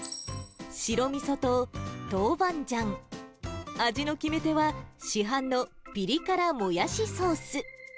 白みそとトウバンジャン、味の決め手は市販のピリ辛モヤシソース。